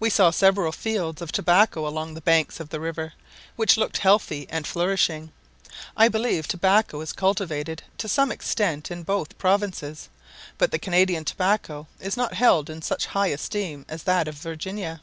We saw several fields of tobacco along the banks of the river, which looked healthy and flourishing. I believe tobacco is cultivated to some extent in both provinces; but the Canadian tobacco is not held in such high esteem as that of Virginia.